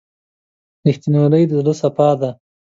• رښتینولي د زړه صفا ده.